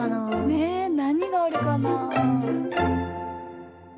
ねえなにがあるかな？